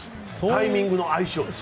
タイミングの相性です。